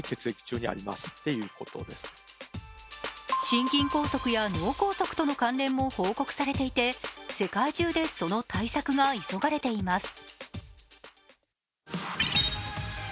心筋梗塞や脳梗塞との関連も報告されていて世界中でその対策が急がれています。